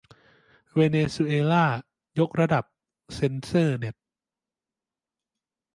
เวเนซุเอลายกระดับเซ็นเซอร์เน็ต